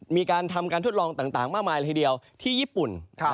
มีการทำการทดลองต่างมากมายเลยทีเดียวที่ญี่ปุ่น